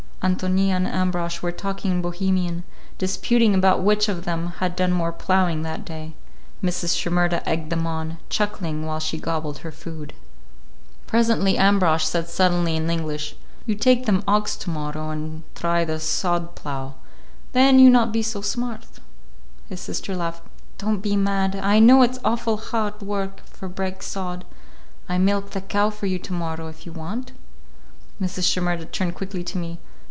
Ántonia and Ambrosch were talking in Bohemian; disputing about which of them had done more ploughing that day. Mrs. Shimerda egged them on, chuckling while she gobbled her food. [Illustration: Ántonia ploughing in the field] Presently Ambrosch said sullenly in English: "You take them ox to morrow and try the sod plough. Then you not be so smart." His sister laughed. "Don't be mad. I know it's awful hard work for break sod. I milk the cow for you to morrow, if you want." Mrs. Shimerda turned quickly to me.